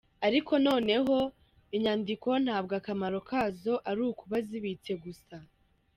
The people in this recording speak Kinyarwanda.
Ariko noneho, inyandiko ntabwo akamaro kazo ari ukuba zibitse gusa.